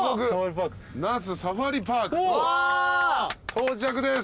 到着です。